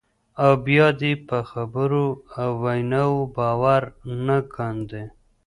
او بیا دې په خبرو او ویناوو باور نه کاندي،